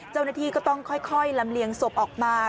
เจ้าหน้าที่ก็ต้องค่อยลำเลียงศพออกมา